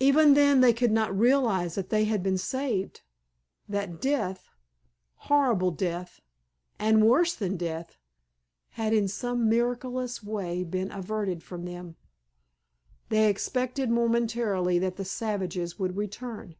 Even then they could not realize that they had been saved; that death—horrible death—and worse than death—had in some miraculous way been averted from them. They expected momentarily that the savages would return.